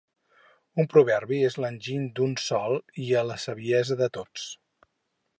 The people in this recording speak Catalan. Un proverbi és l'enginy d'un sol i la saviesa de tots.